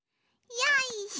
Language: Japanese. よいしょ。